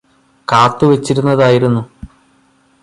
കാത്തുവച്ചിരുന്നതായിരുന്നു